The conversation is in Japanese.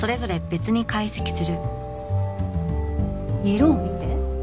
色を見て。